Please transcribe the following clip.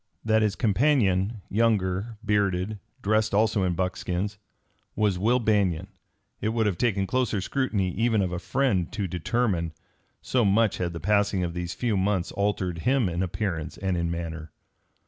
That his companion, younger, bearded, dressed also in buckskins, was Will Banion it would have taken closer scrutiny even of a friend to determine, so much had the passing of these few months altered him in appearance and in manner.